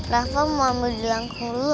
rafa mau ambil di langkung dulu